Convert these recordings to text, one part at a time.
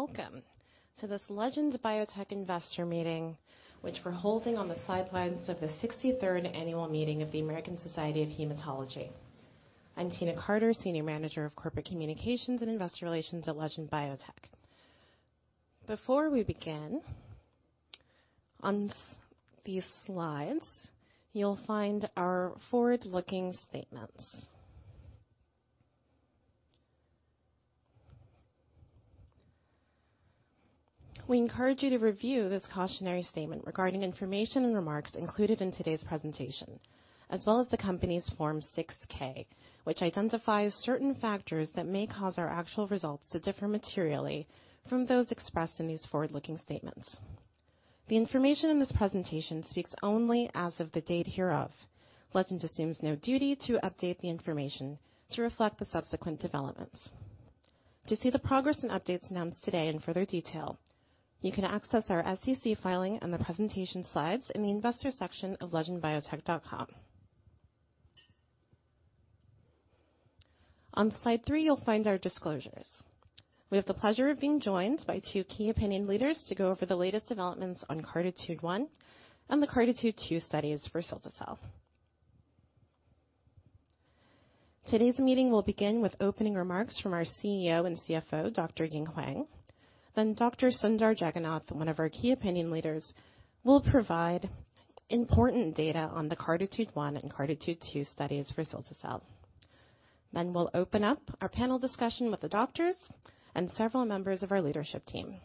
Welcome to this Legend Biotech Investor Meeting, which we're holding on the sidelines of the sixty-third annual meeting of the American Society of Hematology. I'm Tina Carter, Senior Manager of Corporate Communications and Investor Relations at Legend Biotech. Before we begin, on these slides, you'll find our forward-looking statements. We encourage you to review this cautionary statement regarding information and remarks included in today's presentation, as well as the company's Form 6-K, which identifies certain factors that may cause our actual results to differ materially from those expressed in these forward-looking statements. The information in this presentation speaks only as of the date hereof. Legend assumes no duty to update the information to reflect the subsequent developments. To see the progress and updates announced today in further detail, you can access our SEC filing and the presentation slides in the investor section of legendbiotech.com. On slide three, you'll find our disclosures. We have the pleasure of being joined by two key opinion leaders to go over the latest developments on CARTITUDE-1 and the CARTITUDE-2 studies for cilta-cel. Today's meeting will begin with opening remarks from our CEO and CFO, Dr. Ying Huang. Dr. Sundar Jagannath, one of our key opinion leaders, will provide important data on the CARTITUDE-1 and CARTITUDE-2 studies for cilta-cel. We'll open up our panel discussion with the doctors and several members of our leadership team.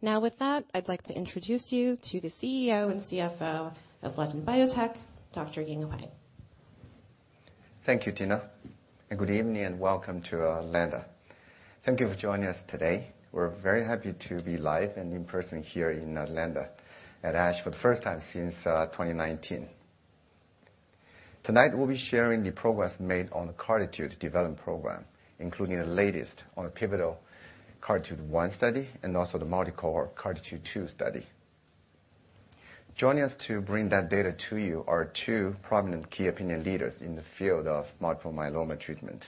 Now with that, I'd like to introduce you to the CEO and CFO of Legend Biotech, Dr. Ying Huang. Thank you, Tina, and good evening and welcome to Atlanta. Thank you for joining us today. We're very happy to be live and in person here in Atlanta at ASH for the first time since 2019. Tonight, we'll be sharing the progress made on the CARTITUDE development program, including the latest on the pivotal CARTITUDE-1 study and also the multi-cohort CARTITUDE-2 study. Joining us to bring that data to you are two prominent key opinion leaders in the field of multiple myeloma treatment,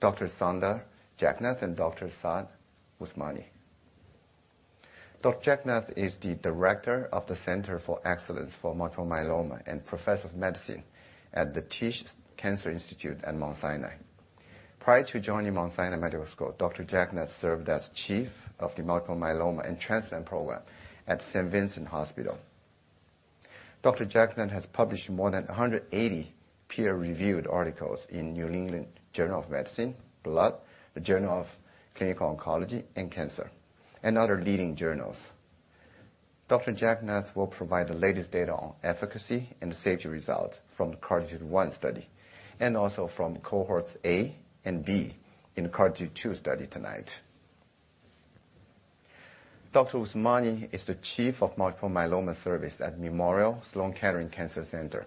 Dr. Sundar Jagannath and Dr. Saad Usmani. Dr. Jagannath is the Director of the Center of Excellence for Multiple Myeloma and Professor of Medicine at the Tisch Cancer Institute at Mount Sinai. Prior to joining Mount Sinai School of Medicine, Dr. Jagannath served as Chief of the Multiple Myeloma and Transplant Program at St. Vincent's Hospital. Dr. Jagannath has published more than 180 peer-reviewed articles in New England Journal of Medicine, Blood, the Journal of Clinical Oncology and Cancer, and other leading journals. Dr. Sundar Jagannath will provide the latest data on efficacy and safety results from the CARTITUDE-1 study, and also from cohorts A and B in the CARTITUDE-2 study tonight. Dr. Usmani is the Chief of Multiple Myeloma Service at Memorial Sloan Kettering Cancer Center,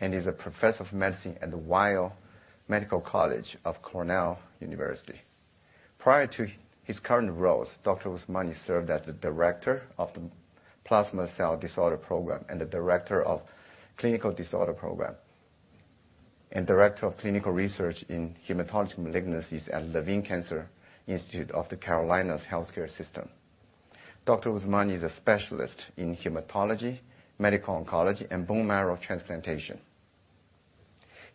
and is a Professor of Medicine at the Weill Cornell Medical College of Cornell University. Prior to his current roles, Dr. Usmani served as the Director of the Plasma Cell Disorder Program and the Director of Clinical Disorder Program, and Director of Clinical Research in Hematologic Malignancies at Levine Cancer Institute of the Carolinas HealthCare System. Dr. Usmani is a specialist in hematology, medical oncology, and bone marrow transplantation.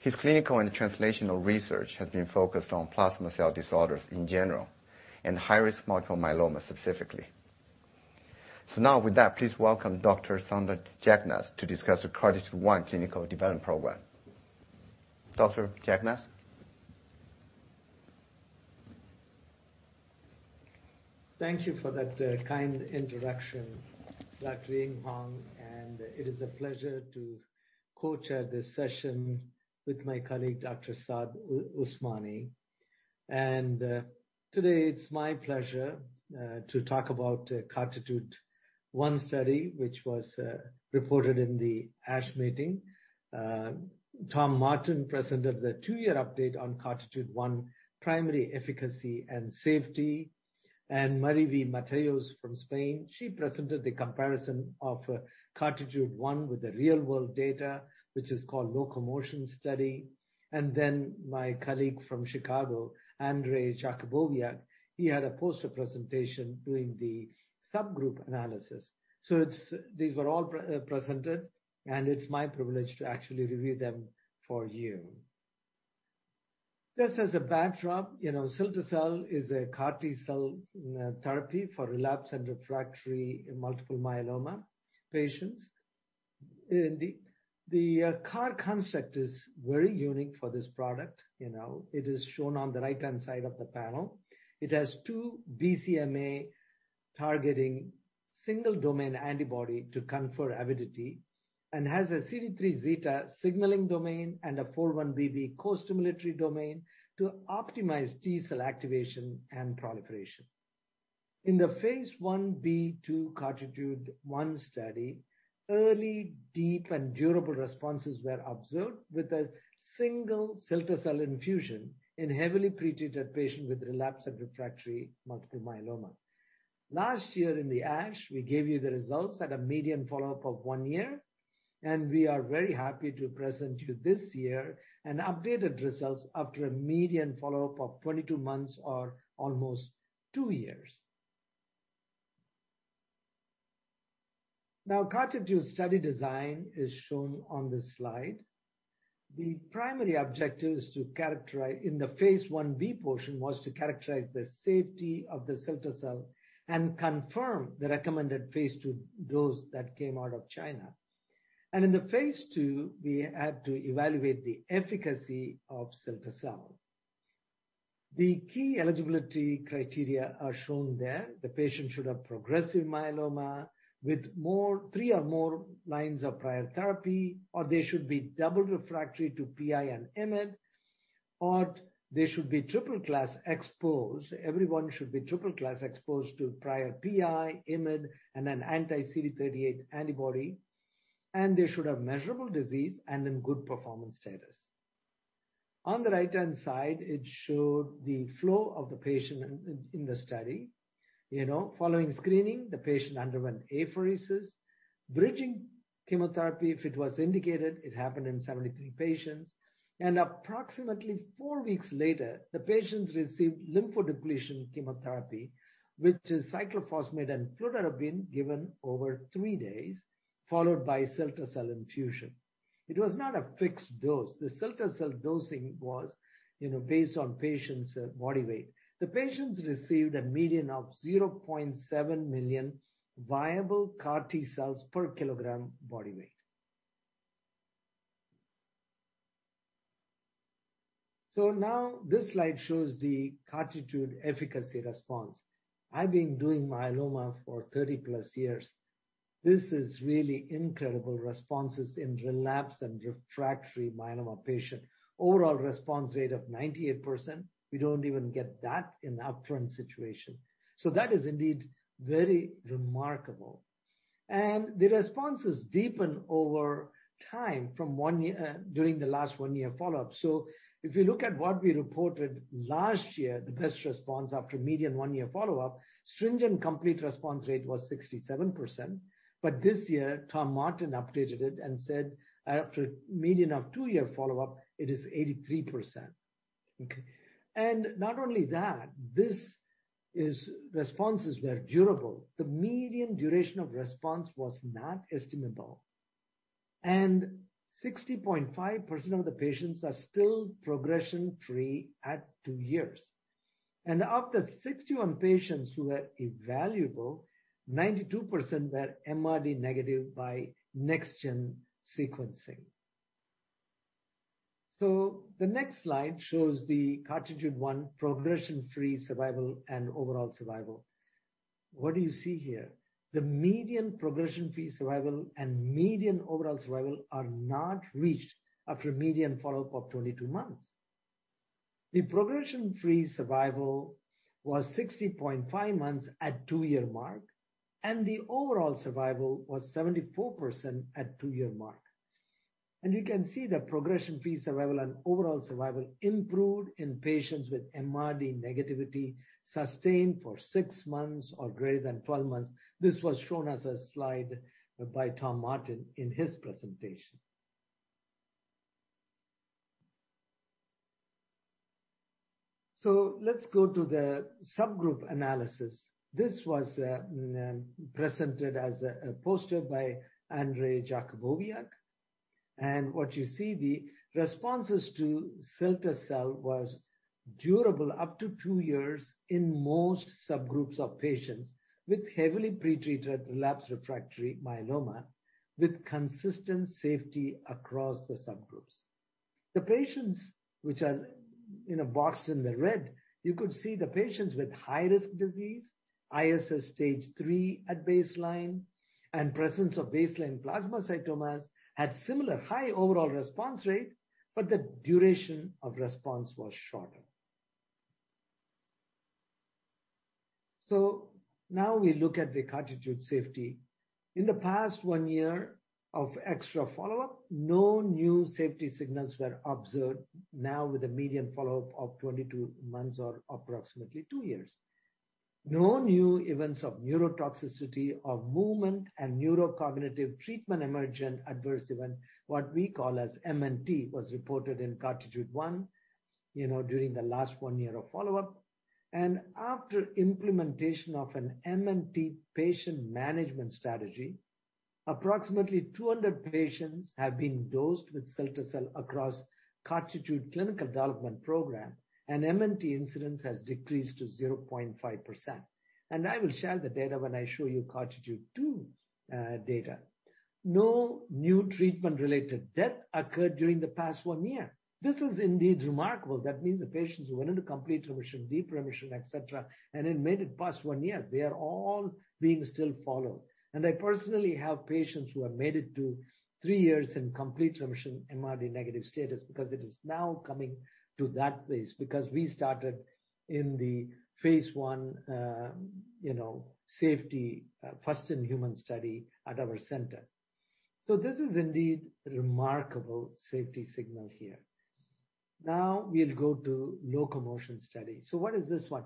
His clinical and translational research has been focused on plasma cell disorders in general and high-risk multiple myeloma specifically. Now with that, please welcome Dr. Sundar Jagannath to discuss the CARTITUDE-1 clinical development program. Dr. Jagannath. Thank you for that, kind introduction, Dr. Ying Huang, and it is a pleasure to co-chair this session with my colleague, Dr. Saad Usmani. Today it's my pleasure to talk about CARTITUDE-1 study, which was reported in the ASH meeting. Tom Martin presented the two-year update on CARTITUDE-1 primary efficacy and safety. Marie-V Mateos from Spain, she presented the comparison of CARTITUDE-1 with the real world data, which is called LocoMMotion study. Then my colleague from Chicago, Andre Jakubowiak, he had a poster presentation doing the subgroup analysis. These were all presented, and it's my privilege to actually review them for you. Just as a backdrop, you know, cilta-cel is a CAR T-cell therapy for relapse and refractory in multiple myeloma patients. The CAR construct is very unique for this product, you know. It is shown on the right-hand side of the panel. It has two BCMA targeting single-domain antibody to confer avidity, and has a CD3ζ signaling domain and a 4-1BB costimulatory domain to optimize T-cell activation and proliferation. In the phase Ib/II CARTITUDE-1 study, early, deep, and durable responses were observed with a single cilta-cel infusion in heavily pretreated patients with relapsed and refractory multiple myeloma. Last year in the ASH, we gave you the results at a median follow-up of one year, and we are very happy to present you this year an updated results after a median follow-up of 22 months or almost three years. Now, CARTITUDE study design is shown on this slide. The primary objective in the phase I-B portion was to characterize the safety of the cilta-cel and confirm the recommended phase II dose that came out of China. In the phase II, we had to evaluate the efficacy of cilta-cel. The key eligibility criteria are shown there. The patient should have progressive myeloma with three or more lines of prior therapy, or they should be double refractory to PI and IMiD, or they should be triple class exposed. Everyone should be triple class exposed to prior PI, IMiD, and an anti-CD38 antibody, and they should have measurable disease and in good performance status. On the right-hand side, it showed the flow of the patient in the study. You know, following screening, the patient underwent apheresis, bridging chemotherapy, if it was indicated, it happened in 73 patients. Approximately three weeks later, the patients received lymphodepletion chemotherapy, which is cyclophosphamide and fludarabine given over three days, followed by cilta-cel infusion. It was not a fixed dose. The cilta-cel dosing was, you know, based on patient's body weight. The patients received a median of 0.7 million viable CAR T cells per kilogram body weight. Now this slide shows the CARTITUDE efficacy response. I've been doing myeloma for 30+ years. These are really incredible responses in relapsed and refractory myeloma patients. Overall response rate of 98%, we don't even get that in the upfront situation. That is indeed very remarkable. The responses deepen over time from one year during the last one year follow-up. If you look at what we reported last year, the best response after median one year follow-up, stringent complete response rate was 67%, but this year, Tom Martin updated it and said after a median of two year follow-up, it is 83%. Okay. Not only that, these responses were durable. The median duration of response was not estimable. 60.5% of the patients are still progression-free at two years. Of the 61 patients who were evaluable, 92% were MRD negative by next-gen sequencing. The next slide shows the CARTITUDE-1 progression-free survival and overall survival. What do you see here? The median progression-free survival and median overall survival are not reached after a median follow-up of 22 months. The progression-free survival was 60.5 months at two-year mark, and the overall survival was 74% at two-year mark. You can see the progression-free survival and overall survival improved in patients with MRD negativity sustained for six months or greater than 12 months. This was shown as a slide by Tom Martin in his presentation. Let's go to the subgroup analysis. This was presented as a poster by Andrzej Jakubowiak. What you see, the responses to cilta-cel was durable up to two years in most subgroups of patients with heavily pretreated relapse refractory myeloma with consistent safety across the subgroups. The patients which are in a box in the red, you could see the patients with high-risk disease, ISS stage three at baseline, and presence of baseline plasmacytomas had similar high overall response rate, but the duration of response was shorter. Now we look at the CARTITUDE safety. In the past one year of extra follow-up, no new safety signals were observed now with a median follow-up of 22 months or approximately two years. No new events of neurotoxicity or movement and neurocognitive treatment-emergent adverse event, what we call as MNT, was reported in CARTITUDE-1, you know, during the last one year of follow-up. After implementation of an MNT patient management strategy, approximately 200 patients have been dosed with cilta-cel across CARTITUDE clinical development program, and MNT incidence has decreased to 0.5%. I will share the data when I show you CARTITUDE-2 data. No new treatment-related death occurred during the past one year. This is indeed remarkable. That means the patients who went into complete remission, deep remission, et cetera, and then made it past one year, they are all being still followed. I personally have patients who have made it to three years in complete remission MRD negative status because it is now coming to that phase, because we started in the phase I safety first in human study at our center. This is indeed remarkable safety signal here. Now we'll go to LocoMMotion study. What is this one?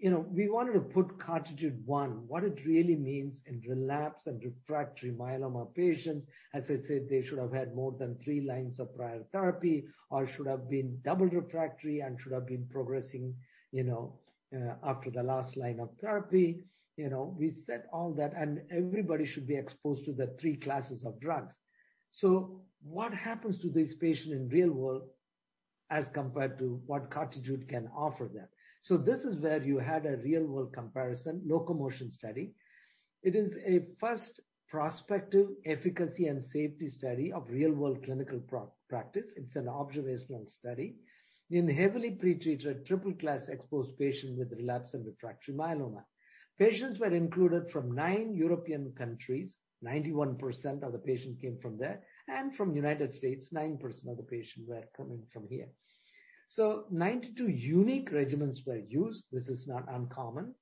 You know, we wanted to put CARTITUDE-1, what it really means in relapse and refractory myeloma patients. As I said, they should have had more than three lines of prior therapy or should have been double refractory and should have been progressing, you know, after the last line of therapy. You know, we set all that, and everybody should be exposed to the three classes of drugs. What happens to this patient in real world as compared to what CARTITUDE can offer them? This is where you had a real-world comparison, LocoMMotion study. It is a first prospective efficacy and safety study of real-world clinical practice. It's an observational study in heavily pre-treated triple class exposed patients with relapse and refractory myeloma. Patients were included from nine European countries, 91% of the patients came from there, and from United States, 9% of the patients were coming from here. Ninety-two unique regimens were used. This is not uncommon.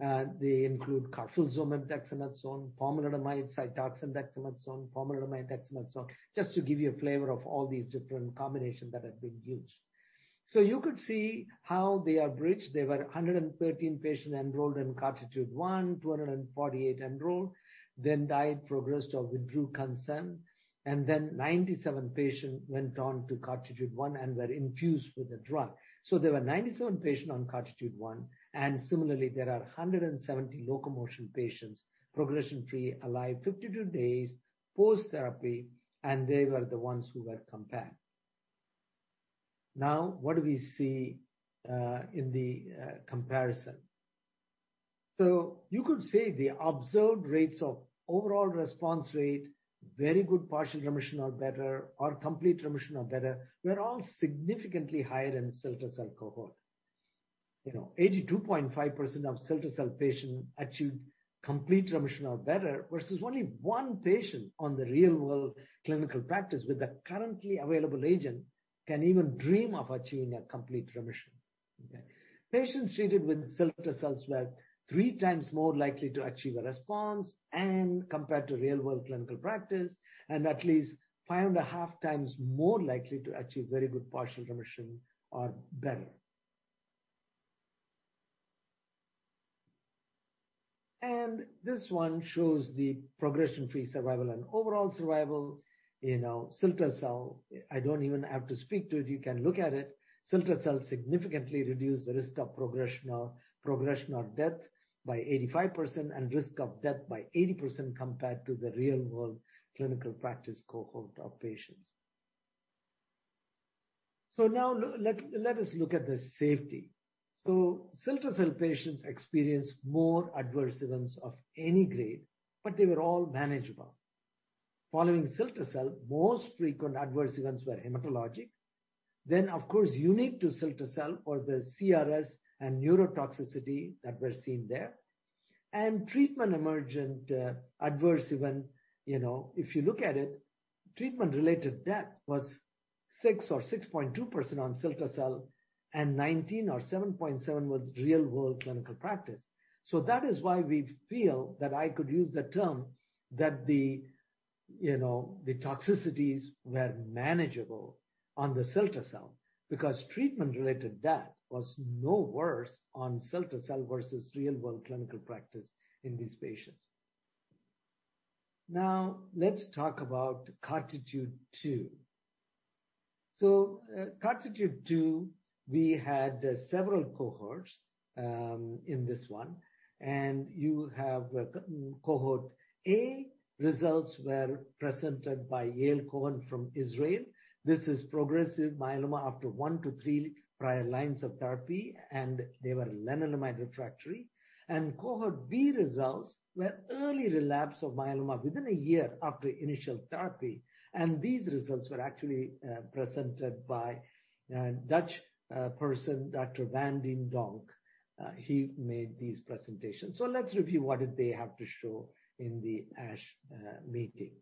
They include carfilzomib, dexamethasone, pomalidomide, Cytoxan, dexamethasone, pomalidomide, dexamethasone, just to give you a flavor of all these different combinations that have been used. You could see how they are bridged. There were 113 patients enrolled in CARTITUDE-1, 248 enrolled then died, progressed, or withdrew consent, and then 97 patients went on to CARTITUDE-1 and were infused with the drug. There were 97 patients on CARTITUDE-1, and similarly, there are 170 LocoMMotion patients, progression-free, alive 52 days post-therapy, and they were the ones who were compared. Now, what do we see in the comparison? You could say the observed rates of overall response rate, very good partial remission or better or complete remission or better, were all significantly higher in cilta-cel cohort. You know, 82.5% of cilta-cel patients achieved complete remission or better, versus only one patient on the real-world clinical practice with the currently available agent can even dream of achieving a complete remission. Okay? Patients treated with cilta-cel were 3 times more likely to achieve a response and compared to real-world clinical practice and at least 5.5 times more likely to achieve very good partial remission or better. This one shows the progression-free survival and overall survival. You know, cilta-cel, I don't even have to speak to it, you can look at it. Cilta-cel significantly reduced the risk of progression or death by 85% and risk of death by 80% compared to the real-world clinical practice cohort of patients. Now let us look at the safety. Cilta-cel patients experienced more adverse events of any grade, but they were all manageable. Following cilta-cel, most frequent adverse events were hematologic. Of course, unique to cilta-cel or the CRS and neurotoxicity that were seen there. Treatment-emergent adverse event, you know, if you look at it, treatment-related death was 6.2% on cilta-cel and 19.7% in real-world clinical practice. That is why we feel that I could use the term that the, you know, the toxicities were manageable on the cilta-cel because treatment-related death was no worse on cilta-cel versus real-world clinical practice in these patients. Now let's talk about CARTITUDE-2. CARTITUDE-2, we had several cohorts in this one, and you have cohort A, results were presented by Yael Cohen from Israel. This is progressive myeloma after 1-3 prior lines of therapy, and they were lenalidomide refractory. Cohort B results were early relapse of myeloma within one year after initial therapy. These results were actually presented by a Dutch person, Dr. van de Donk. He made these presentations. Let's review what did they have to show in the ASH meeting.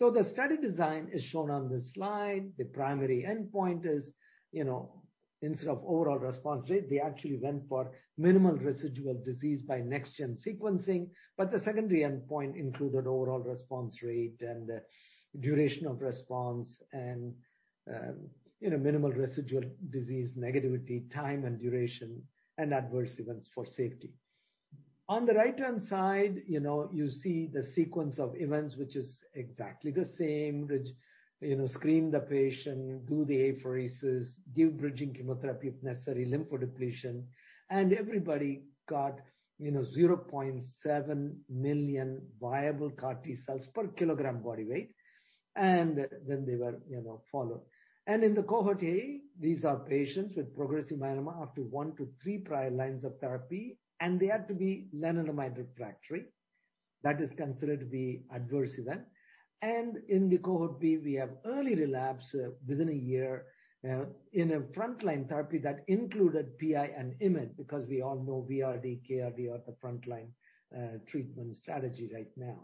The study design is shown on this slide. The primary endpoint is, you know, instead of overall response rate, they actually went for minimal residual disease by next-gen sequencing. The secondary endpoint included overall response rate and duration of response and, minimal residual disease negativity, time, and duration, and adverse events for safety. On the right-hand side, you see the sequence of events, which is exactly the same. Screen the patient, do the apheresis, give bridging chemotherapy if necessary, lymphodepletion. Everybody got 0.7 million viable CAR T cells per kilogram body weight. Then they were followed. In Cohort A, these are patients with progressive myeloma up to 1-3 prior lines of therapy, and they had to be lenalidomide refractory. That is considered to be adverse event. In the cohort B, we have early relapse within a year, in a frontline therapy that included PI and IMiD, because we all know VRd, KRd are the frontline treatment strategy right now.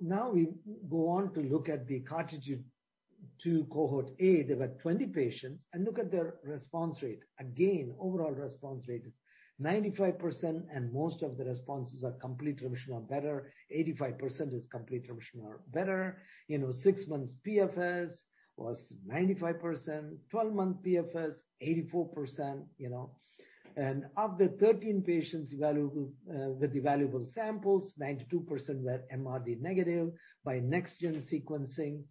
Now we go on to look at the CARTITUDE-2 cohort A. There were 20 patients, and look at their response rate. Again, overall response rate is 95%, and most of the responses are complete remission or better. 85% is complete remission or better. You know, 6-month PFS was 95%, 12-month PFS 84%, you know. And of the 13 patients evaluable, with evaluable samples, 92% were MRD negative by next-gen sequencing.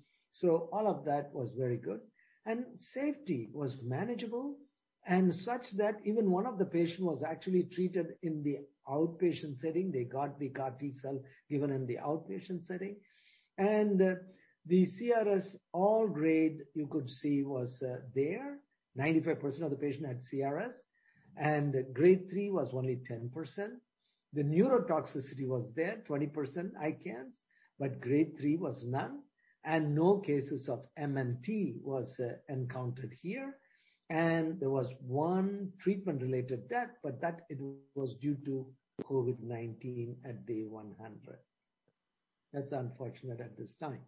All of that was very good. And safety was manageable, and such that even one of the patients was actually treated in the outpatient setting. They got the CAR T-cell given in the outpatient setting. The CRS all grade you could see was there. 95% of the patient had CRS, and grade 3 was only 10%. The neurotoxicity was there, 20% ICANS, but grade 3 was none. No cases of MNT was encountered here. There was one treatment-related death, but that it was due to COVID-19 at day 100. That's unfortunate at this time.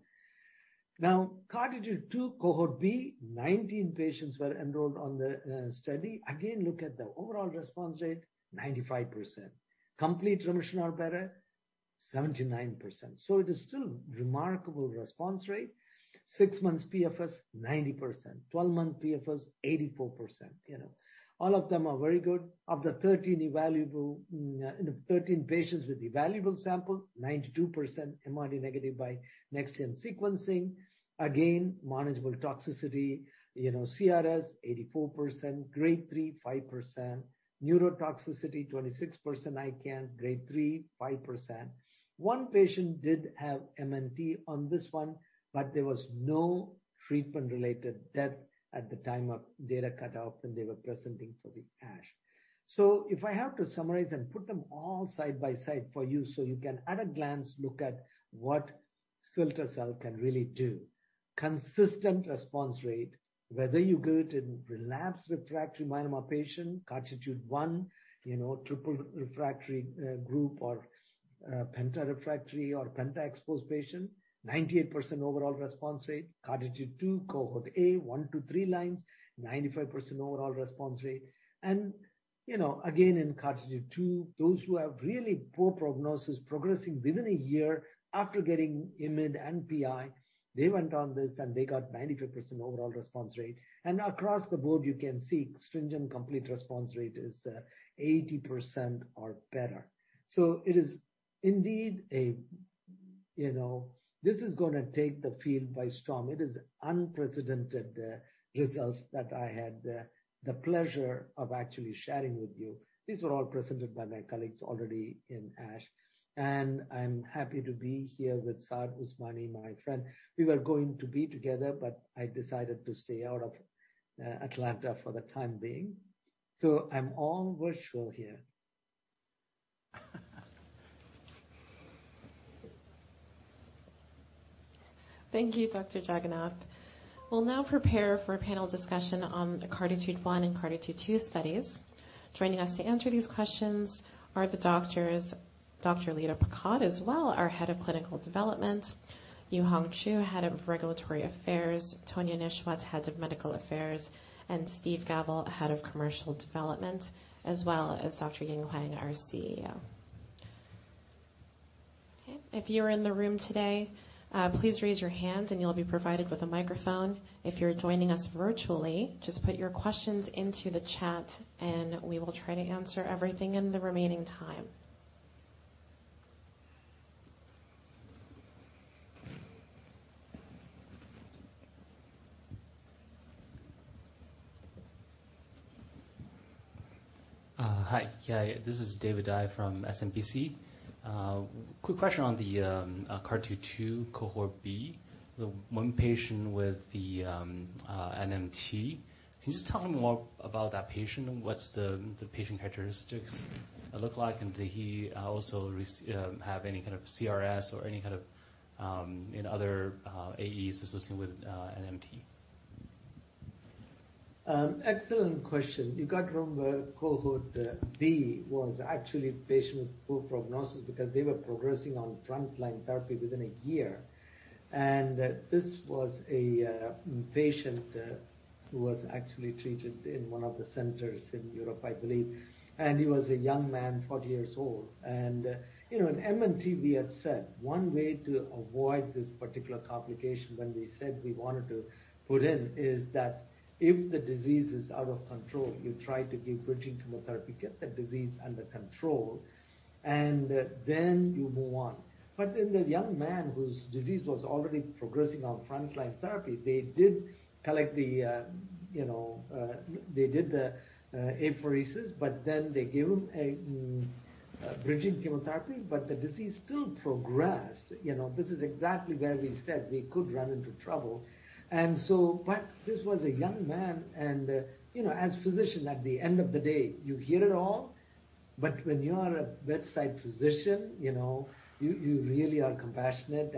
Now, CARTITUDE-2 cohort B, 19 patients were enrolled on the study. Again, look at the overall response rate, 95%. Complete remission or better, 79%. It is still remarkable response rate. Six months PFS 90%, 12-month PFS 84%. You know, all of them are very good. Of the 13 evaluable, you know, 13 patients with evaluable sample, 92% MRD negative by next-gen sequencing. Again, manageable toxicity, you know, CRS 84%, grade 3 5%, neurotoxicity 26% ICANS, grade 3 5%. One patient did have MNT on this one, but there was no treatment-related death at the time of data cutoff when they were presenting for the ASH. If I have to summarize and put them all side by side for you, so you can at a glance look at what cilta-cel can really do. Consistent response rate, whether you go to relapsed refractory myeloma patient, CARTITUDE-1, you know, triple refractory, group or, penta-refractory or penta-exposed patient, 98% overall response rate. CARTITUDE-2 cohort A, 1-3 lines, 95% overall response rate. You know, again, in CARTITUDE-2, those who have really poor prognosis progressing within a year after getting IMiD and PI, they went on this and they got 95% overall response rate. Across the board you can see stringent complete response rate is 80% or better. It is indeed a. This is gonna take the field by storm. It is unprecedented results that I had the pleasure of actually sharing with you. These were all presented by my colleagues already in ASH. I'm happy to be here with Saad Usmani, my friend. We were going to be together, but I decided to stay out of Atlanta for the time being. I'm all virtual here. Thank you, Dr. Jagannath. We'll now prepare for a panel discussion on the CARTITUDE-1 and CARTITUDE-2 studies. Joining us to answer these questions are the doctors, Dr. Lida Pacaud as well, our head of Clinical Development, Yu-Hung Chu, head of Regulatory Affairs, Tanya Nishwat, head of Medical Affairs, and Steve Gavel, head of Commercial Development, as well as Dr. Ying Huang, our CEO. Okay. If you're in the room today, please raise your hand and you'll be provided with a microphone. If you're joining us virtually, just put your questions into the chat and we will try to answer everything in the remaining time. Hi. Yeah, this is David Dai from SMBC. Quick question on the CARTITUDE-2 cohort B, the one patient with the MNT. Can you just tell me more about that patient and what's the patient characteristics look like? And did he also have any kind of CRS or any kind of you know other AEs associated with MNT? Excellent question. You got from the Cohort B was actually patient with poor prognosis because they were progressing on frontline therapy within a year. This was a patient who was actually treated in one of the centers in Europe, I believe. He was a young man, 40 years old. You know, in MNT we have said, one way to avoid this particular complication when we said we wanted to put in, is that if the disease is out of control, you try to give bridging chemotherapy, get the disease under control, and then you move on. The young man whose disease was already progressing on frontline therapy, they did collect the, you know, they did the apheresis, but then they gave him a bridging chemotherapy, but the disease still progressed. You know, this is exactly where we said we could run into trouble. This was a young man and, you know, as physician, at the end of the day, you hear it all, but when you are a bedside physician, you know, you really are compassionate.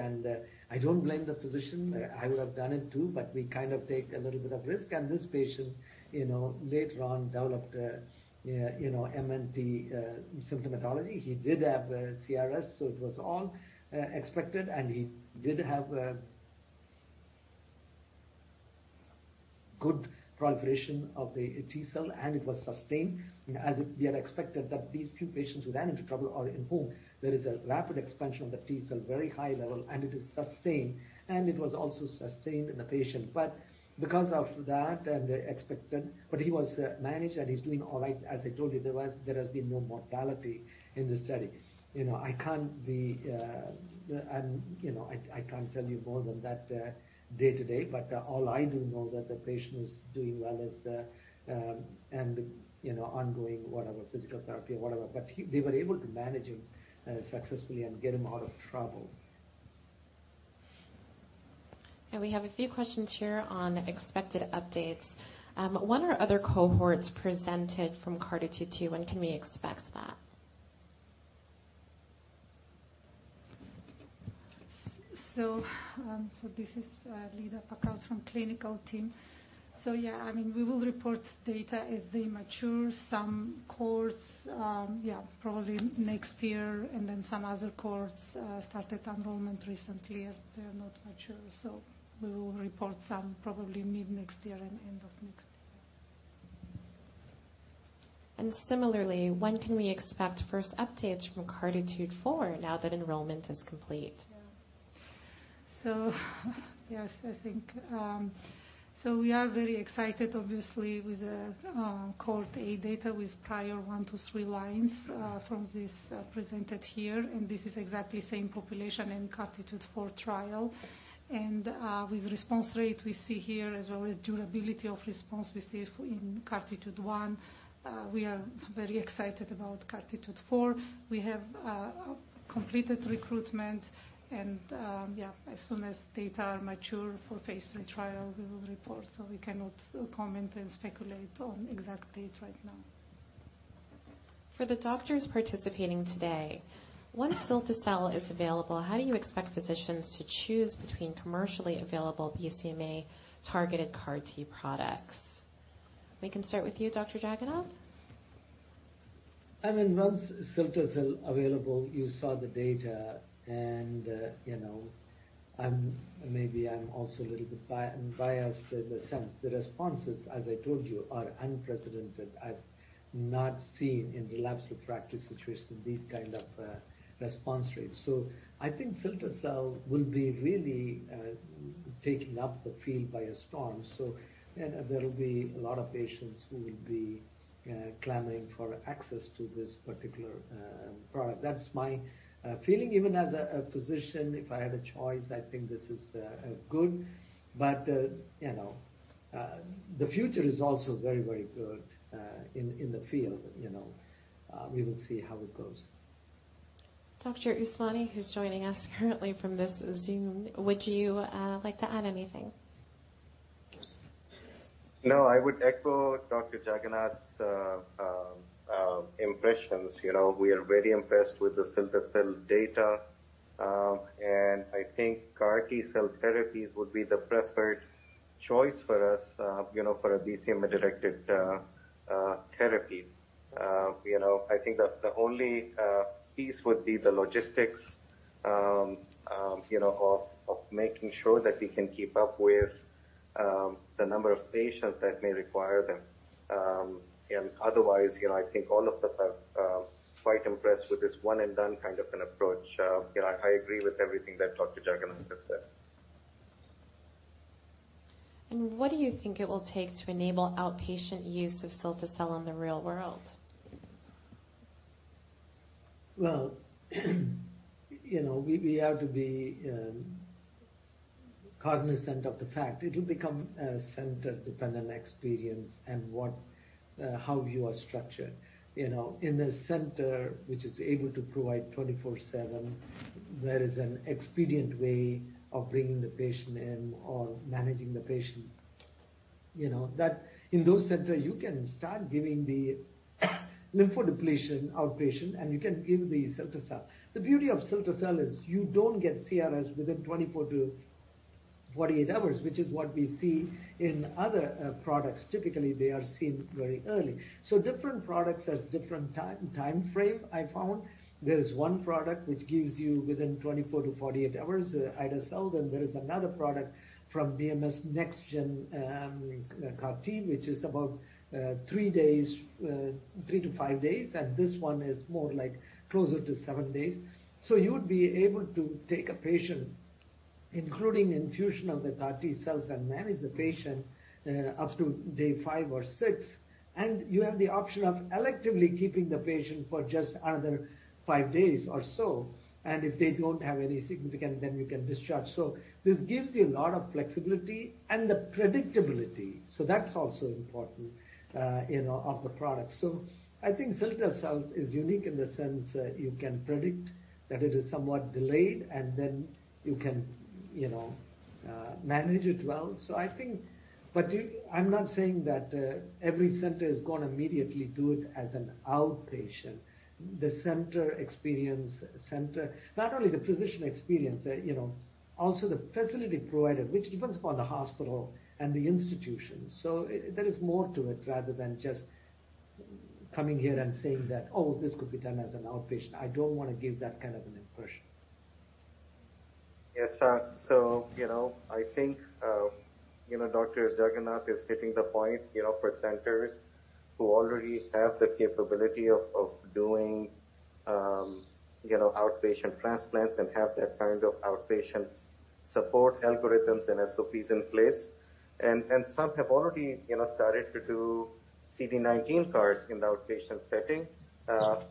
I don't blame the physician. I would have done it too, but we kind of take a little bit of risk. This patient, you know, later on developed a you know MNT symptomatology. He did have CRS, so it was all expected. He did have a good proliferation of the T cell, and it was sustained. We had expected that these few patients who ran into trouble are in whom there is a rapid expansion of the T cell, very high level, and it is sustained, and it was also sustained in the patient. But because of that and the expected. But he was managed, and he's doing all right. As I told you, there has been no mortality in the study. You know, I can't be, you know, I can't tell you more than that, day to day, but all I do know that the patient is doing well as the, and, you know, ongoing, whatever, physical therapy or whatever. But he we were able to manage him successfully and get him out of trouble. We have a few questions here on expected updates. What are other cohorts presented from CARTITUDE-2? When can we expect that? This is Lida Pacaud from clinical team. We will report data as they mature. Some cohorts probably next year, and then some other cohorts started enrollment recently, and they are not mature. We will report some probably mid next year and end of next year. Similarly, when can we expect first updates from CARTITUDE-4 now that enrollment is complete? Yes, I think we are very excited obviously with the cohort A data with prior 1-3 lines from this presented here, and this is exactly the same population in CARTITUDE-4 trial. With response rate we see here as well as durability of response we see in CARTITUDE-1, we are very excited about CARTITUDE-4. We have completed recruitment and yeah, as soon as data are mature for phase III trial, we will report. We cannot comment and speculate on exact date right now. For the doctors participating today, once cilta-cel is available, how do you expect physicians to choose between commercially available BCMA-targeted CAR T products? We can start with you, Dr. Jagannath. I mean, once cilta-cel available, you saw the data and, you know, I'm maybe also a little bit biased in the sense the responses, as I told you, are unprecedented. I've not seen in relapsed/refractory situation these kind of response rates. I think cilta-cel will be really taking the field by storm. There will be a lot of patients who will be clamoring for access to this particular product. That's my feeling. Even as a physician, if I had a choice, I think this is good. You know, the future is also very, very good in the field, you know. We will see how it goes. Dr. Usmani, who's joining us currently from this Zoom, would you like to add anything? No, I would echo Dr. Jagannath's impressions. You know, we are very impressed with the cilta-cel data, and I think CAR T-cell therapies would be the preferred choice for us, you know, for a BCMA-directed therapy. You know, I think that the only piece would be the logistics, you know, of making sure that we can keep up with the number of patients that may require them. Otherwise, you know, I think all of us are quite impressed with this one and done kind of an approach. You know, I agree with everything that Dr. Jagannath has said. What do you think it will take to enable outpatient use of cilta-cel in the real world? Well, you know, we have to be cognizant of the fact it'll become a center-dependent experience and how you are structured. You know, in the center which is able to provide 24/7, there is an expedient way of bringing the patient in or managing the patient. You know, that in those centers you can start giving the lymphodepletion outpatient, and you can give the cilta-cel. The beauty of cilta-cel is you don't get CRS within 24-48 hours, which is what we see in other products. Typically, they are seen very early. Different products has different time frame, I found. There is one product which gives you within 24-48 hours, ide-cel. There is another product from BMS next gen CAR T, which is about three days, 3-5 days, and this one is more like closer to seven days. You would be able to take a patient, including infusion of the CAR T-cells, and manage the patient up to day five or six, and you have the option of electively keeping the patient for just another five days or so. If they don't have any significant, then you can discharge. This gives you a lot of flexibility and the predictability, so that's also important, you know, of the product. I think cilta-cel is unique in the sense that you can predict that it is somewhat delayed, and then you can, you know, manage it well. I think. I'm not saying that every center is gonna immediately do it as an outpatient. The center experience. Not only the physician experience, also the facility provider, which depends upon the hospital and the institution. There is more to it rather than just coming here and saying that, "Oh, this could be done as an outpatient." I don't wanna give that kind of an impression. Yes, you know, I think, you know, Dr. Jagannath is hitting the point, you know, for centers who already have the capability of doing, you know, outpatient transplants and have that kind of outpatient support algorithms and SOPs in place. Some have already, you know, started to do CD19 CARs in the outpatient setting.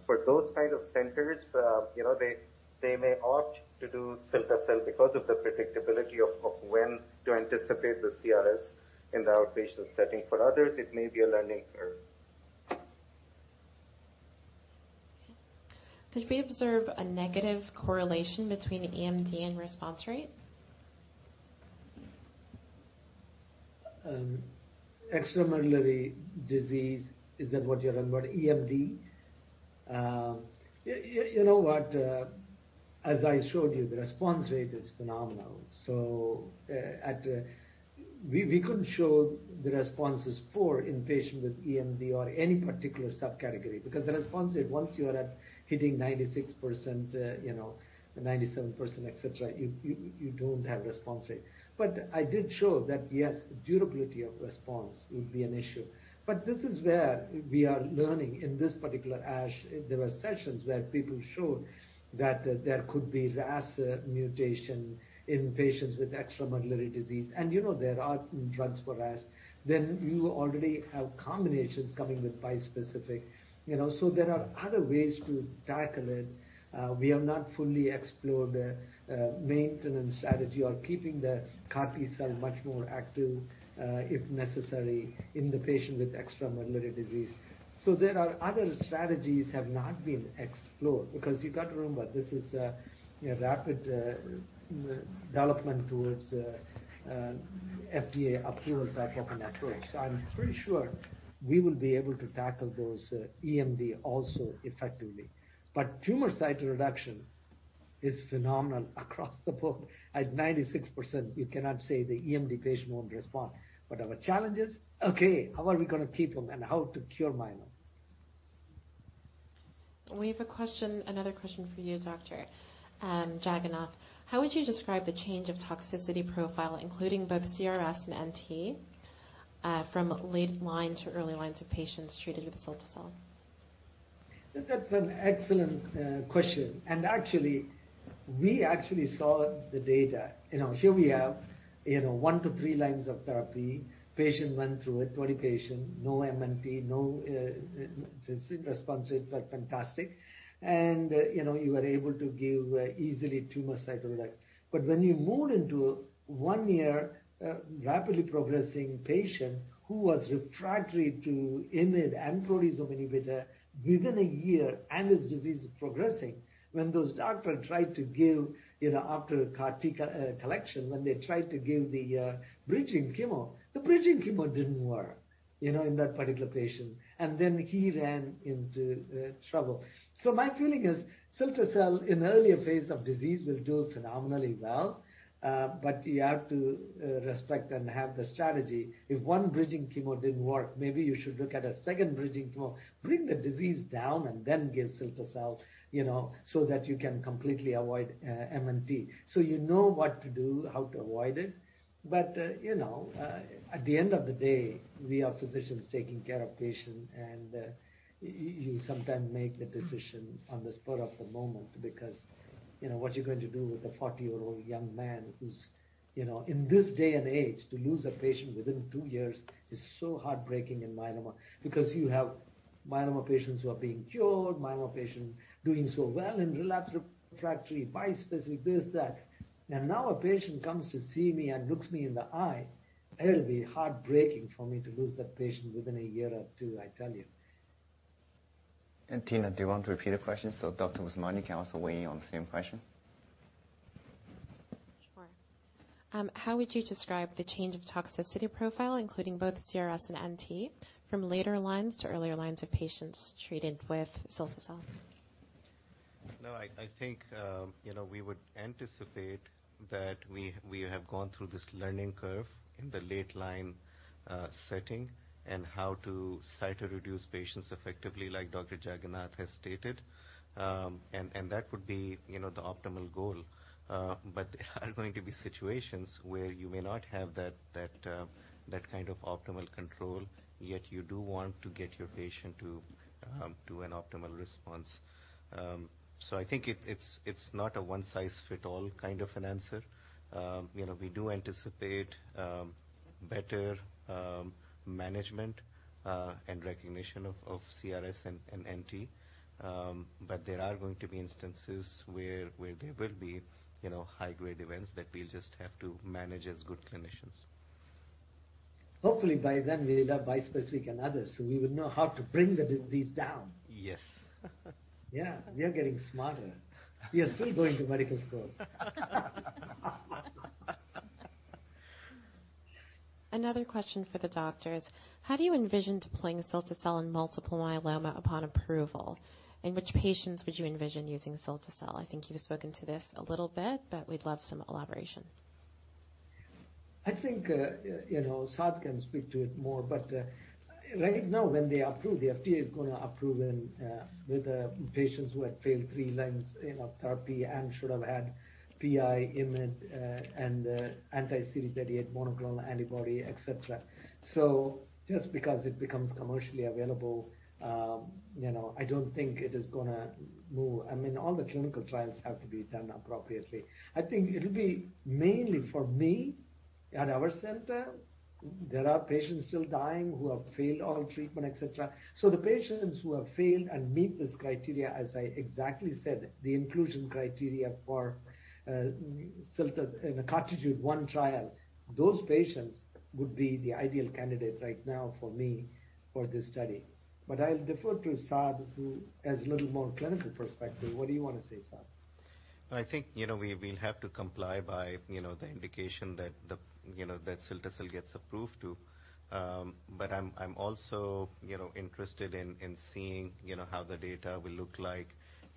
For those kind of centers, you know, they may opt to do cilta-cel because of the predictability of when to anticipate the CRS in the outpatient setting. For others, it may be a learning curve. Okay. Did we observe a negative correlation between EMD and response rate? Extramedullary disease, is that what you're talking about? EMD. You know what, as I showed you, the response rate is phenomenal. We couldn't show the response is poor in patient with EMD or any particular subcategory because the response rate, once you are at hitting 96%, you know, 97%, et cetera, you don't have response rate. I did show that yes, durability of response would be an issue. This is where we are learning in this particular ASH. There were sessions where people showed that there could be RAS mutation in patients with extramedullary disease. You know, there are drugs for RAS. You already have combinations coming with bispecific, you know. There are other ways to tackle it. We have not fully explored the maintenance strategy or keeping the CAR T-cell much more active, if necessary, in the patient with extramedullary disease. There are other strategies have not been explored because you got to remember, this is a rapid development towards FDA approval type of an approach. I'm pretty sure we will be able to tackle those EMD also effectively. Tumor cytoreduction is phenomenal across the board. At 96%, you cannot say the EMD patient won't respond. Our challenge is, okay, how are we gonna keep them and how to cure myeloma. We have a question, another question for you, Dr. Jagannath. How would you describe the change of toxicity profile, including both CRS and MNT, from late line to early lines of patients treated with cilta-cel? That's an excellent question. Actually, we actually saw the data. You know, here we have, you know, 1-3 lines of therapy. Patients went through it, 20 patients, no EMD, impressive response rate, like fantastic. You know, you were able to give easily tumor cytoreduction. When you move into one-year rapidly progressing patient who was refractory to IMiD and proteasome inhibitor within a year, and his disease is progressing. When those doctors tried to give, you know, after CAR T collection, when they tried to give the bridging chemo, the bridging chemo didn't work, you know, in that particular patient. He ran into trouble. My feeling is, cilta-cel in earlier phase of disease will do phenomenally well, but you have to respect and have the strategy. If one bridging chemo didn't work, maybe you should look at a second bridging chemo, bring the disease down and then give cilta-cel, you know, so that you can completely avoid MNT. You know what to do, how to avoid it. You know, at the end of the day, we are physicians taking care of patient, and you sometimes make the decision on the spur of the moment because, you know, what you're going to do with a 40-year-old young man who's, you know. In this day and age, to lose a patient within two years is so heartbreaking in myeloma because you have myeloma patients who are being cured, myeloma patient doing so well in relapse refractory, bispecific, this, that. Now a patient comes to see me and looks me in the eye, it'll be heartbreaking for me to lose that patient within a year or two, I tell you. Tina, do you want to repeat the question so Dr. Usmani can also weigh in on the same question? Sure. How would you describe the change of toxicity profile, including both CRS and MNT, from later lines of patients treated with cilta-cel? No, I think, you know, we would anticipate that we have gone through this learning curve in the late line setting and how to cytoreduce patients effectively like Dr. Jagannath has stated. That would be, you know, the optimal goal. But there are going to be situations where you may not have that kind of optimal control, yet you do want to get your patient to an optimal response. I think it's not a one-size-fits-all kind of an answer. You know, we do anticipate better management and recognition of CRS and ICANS. But there are going to be instances where there will be, you know, high-grade events that we'll just have to manage as good clinicians. Hopefully by then we'll have bispecific and others, so we would know how to bring the disease down. Yes. Yeah. We are getting smarter. We are still going to medical school. Another question for the doctors. How do you envision deploying cilta-cel in multiple myeloma upon approval? In which patients would you envision using cilta-cel? I think you've spoken to this a little bit, but we'd love some elaboration. I think, you know, Saad can speak to it more. Right now, when they approve, the FDA is gonna approve in with patients who have failed three lines, you know, therapy and should have had PI, IMiD, and anti-CD38 monoclonal antibody, et cetera. Just because it becomes commercially available, you know, I don't think it is gonna move. I mean, all the clinical trials have to be done appropriately. I think it'll be mainly for me at our center, there are patients still dying who have failed all treatment, et cetera. The patients who have failed and meet this criteria, as I exactly said, the inclusion criteria for cilta-cel in the CARTITUDE-1 trial, those patients would be the ideal candidate right now for me for this study. I'll defer to Saad, who has a little more clinical perspective. What do you wanna say, Saad? I think, you know, we'll have to comply by, you know, the indication that the, you know, that cilta-cel gets approved to. I'm also, you know, interested in seeing, you know, how the data will look like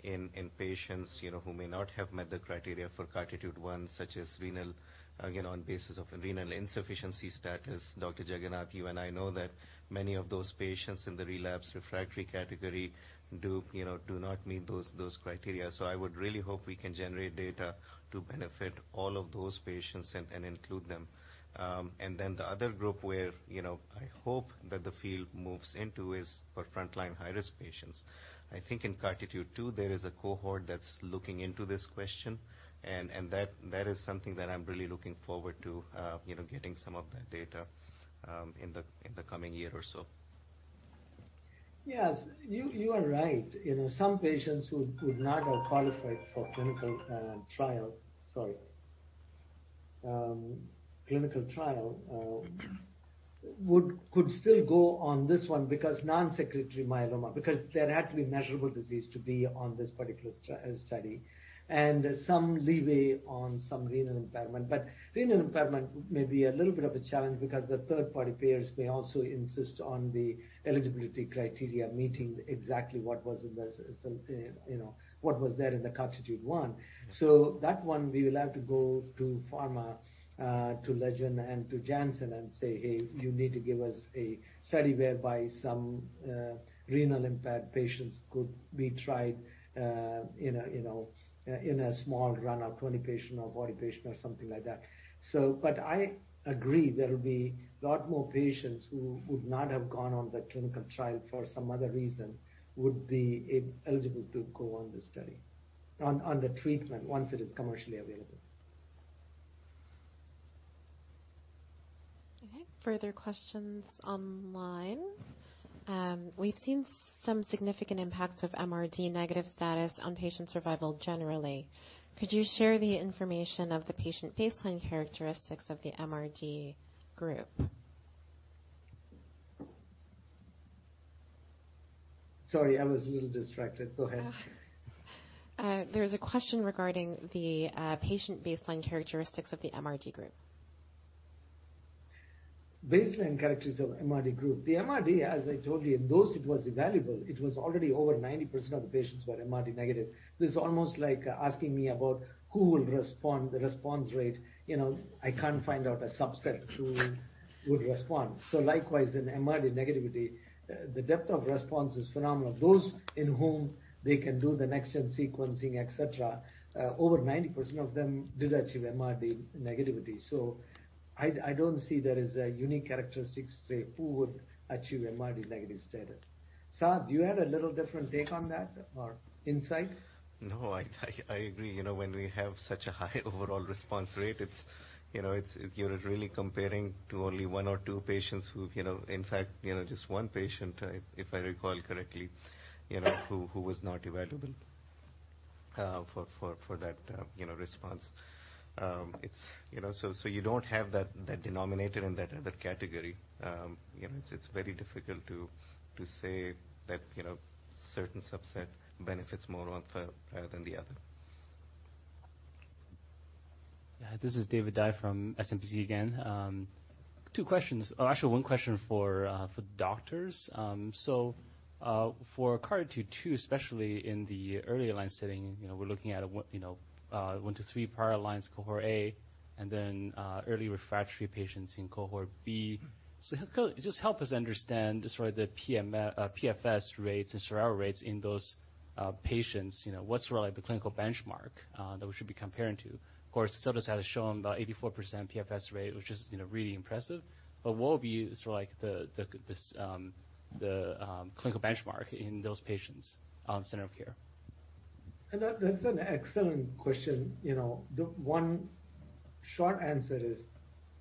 in patients, you know, who may not have met the criteria for CARTITUDE-1, such as renal, again, on basis of renal insufficiency status. Dr. Jagannath, you and I know that many of those patients in the relapsed refractory category do not meet those criteria. I would really hope we can generate data to benefit all of those patients and include them. The other group where, you know, I hope that the field moves into is for frontline high-risk patients. I think in CARTITUDE-2 there is a cohort that's looking into this question and that is something that I'm really looking forward to, you know, getting some of that data, in the coming year or so. Yes. You are right. You know, some patients who would not have qualified for clinical trial could still go on this one because non-secretory myeloma. There had to be measurable disease to be on this particular study. Some leeway on some renal impairment. Renal impairment may be a little bit of a challenge because the third-party payers may also insist on the eligibility criteria meeting exactly what was in the, so, you know, what was there in the CARTITUDE-1. Yeah. That one we will have to go to pharma to Legend and to Janssen and say, "Hey, you need to give us a study whereby some renal impaired patients could be tried in a, you know, in a small run of 20 patients or 40 patients or something like that." I agree there will be a lot more patients who would not have gone on the clinical trial for some other reason would be eligible to go on the study, on the treatment once it is commercially available. Okay. Further questions online. We've seen some significant impacts of MRD negative status on patient survival generally. Could you share the information of the patient baseline characteristics of the MRD group? Sorry, I was a little distracted. Go ahead. There's a question regarding the patient baseline characteristics of the MRD group. Baseline characteristics of MRD group. The MRD, as I told you, in those it was evaluable, it was already over 90% of the patients were MRD negative. This is almost like asking me about who will respond, the response rate. You know, I can't find out a subset who will, would respond. Likewise in MRD negativity, the depth of response is phenomenal. Those in whom they can do the next-generation sequencing, et cetera, over 90% of them did achieve MRD negativity. I don't see there is a unique characteristic to say who would achieve MRD negative status. Saad, do you have a little different take on that or insight? No, I agree. You know, when we have such a high overall response rate, it's you're really comparing to only one or two patients who've, you know, in fact, just one patient, if I recall correctly, you know, who was not evaluable for that response. You don't have that denominator in that category. You know, it's very difficult to say that certain subset benefits more on one arm than the other. Yeah. This is David Dai from SMBC again. One question for doctors. For CARTITUDE-2 especially in the earlier line setting, you know, we're looking at what, you know, 1-3 prior lines cohort A and then early refractory patients in cohort B. Mm-hmm. Just help us understand just sort of the PFS rates and survival rates in those patients. You know, what's really the clinical benchmark that we should be comparing to? Of course, cilta-cel has shown about 84% PFS rate which is, you know, really impressive. But what would be sort of like the clinical benchmark in those patients, standard of care? That's an excellent question. You know, the one short answer is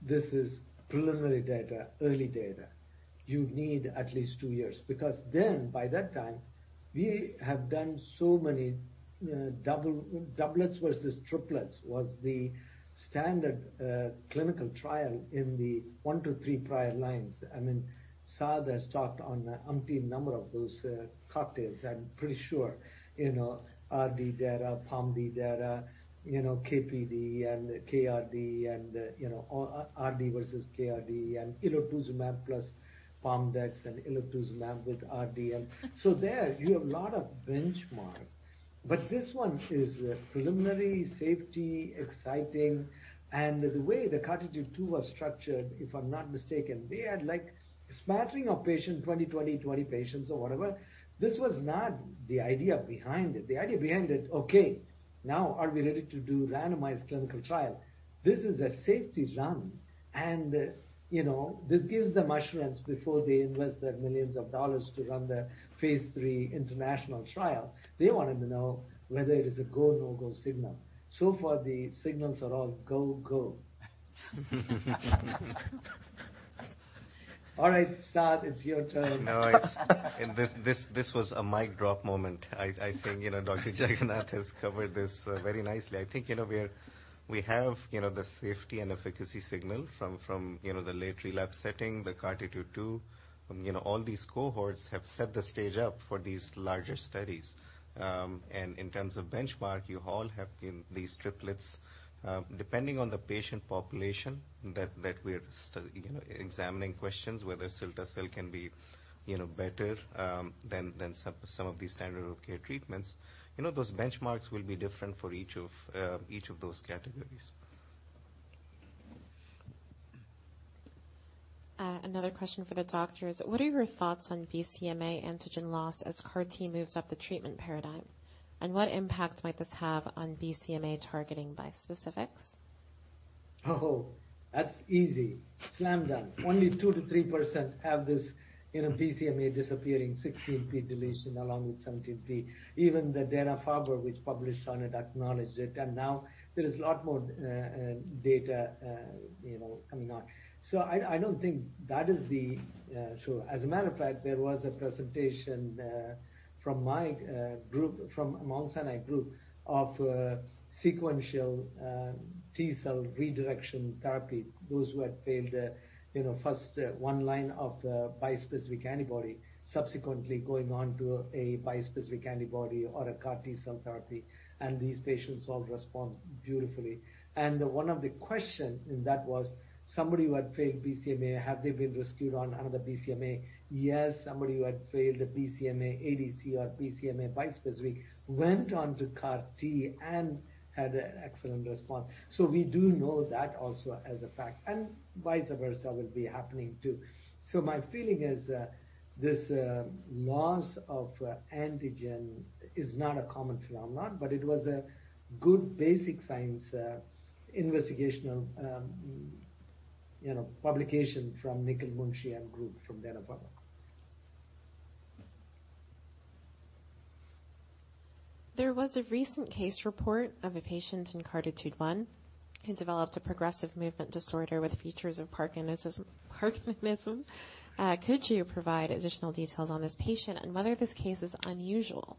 this is preliminary data, early data. You need at least two years, because then by that time we have done so many doublets versus triplets was the standard clinical trial in the 1-3 prior lines. I mean, Saad has talked on the umpteen number of those cocktails, I'm pretty sure. You know, Rd data, Pom data, you know, KPd and KRd and, you know, all Rd versus KPd and elotuzumab plus Pom dex and elotuzumab with Rd. So there you have a lot of benchmarks. This one is a preliminary safety, exciting. The way the CARTITUDE-2 was structured, if I'm not mistaken, they had like a smattering of 20 patients or whatever. This was not the idea behind it. The idea behind it, okay, now are we ready to do randomized clinical trial? This is a safety run and, you know, this gives them assurance before they invest their $ millions to run the phase III international trial. They wanted to know whether it is a go, no-go signal. So far, the signals are all go. All right, Saad, it's your turn. No, it's this was a mic drop moment. I think you know, Dr. Jagannath has covered this very nicely. I think you know, we have you know, the safety and efficacy signal from you know, the late relapse setting, the CARTITUDE-2. You know, all these cohorts have set the stage up for these larger studies. In terms of benchmark, you all have been these triplets. Depending on the patient population that we're you know, examining questions whether cilta-cel can be you know, better than some of the standard of care treatments. You know, those benchmarks will be different for each of each of those categories. Another question for the doctors. What are your thoughts on BCMA antigen loss as CAR T moves up the treatment paradigm? What impact might this have on BCMA targeting bispecifics? Oh, that's easy. Slam dunk. Only 2%-3% have this, you know, BCMA disappearing 16p deletion along with 17p. Even the Dana-Farber, which published on it, acknowledged it, and now there is a lot more data, you know, coming out. I don't think that is the show. As a matter of fact, there was a presentation from my group from Mount Sinai group of sequential T-cell redirection therapy. Those who had failed first one line of bispecific antibody, subsequently going on to a bispecific antibody or a CAR T-cell therapy. These patients all respond beautifully. One of the questions in that was somebody who had failed BCMA, have they been rescued on another BCMA? Yes. Somebody who had failed a BCMA ADC or BCMA bispecific went on to CAR T and had an excellent response. We do know that also as a fact, and vice versa will be happening too. My feeling is, this loss of antigen is not a common phenomenon, but it was a good basic science investigational, you know, publication from Nikhil Munshi and group from Dana-Farber. There was a recent case report of a patient in CARTITUDE-1 who developed a progressive movement disorder with features of parkinsonism. Could you provide additional details on this patient and whether this case is unusual?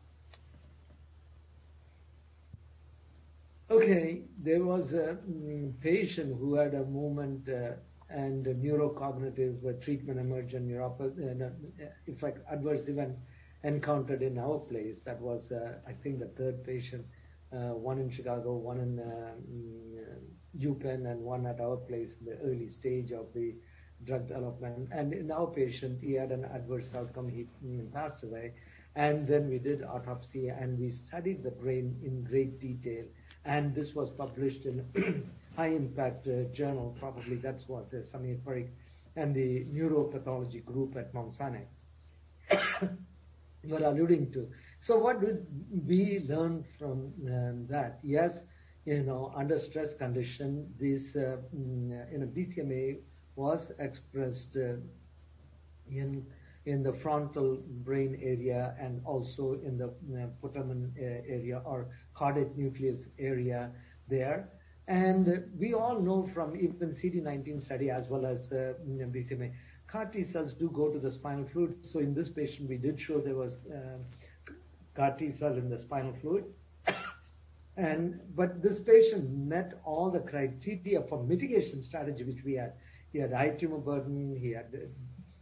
Okay. There was a patient who had a movement and neurocognitive treatment-emergent adverse event encountered in our place. That was, I think the third patient. One in Chicago, one in UPenn, and one at our place in the early stage of the drug development. In our patient, he had an adverse outcome. He, you know, passed away. We did autopsy, and we studied the brain in great detail. This was published in high-impact journal. Probably that's what Samir Parekh and the neuropathology group at Mount Sinai you are alluding to. What did we learn from that? Yes, you know, under stress condition, this BCMA was expressed in the frontal brain area and also in the putamen area or caudate nucleus area there. We all know from even CD19 study as well as BCMA CAR T-cells do go to the spinal fluid. In this patient, we did show there was CAR T-cell in the spinal fluid. This patient met all the criteria for mitigation strategy, which we had. He had high tumor burden.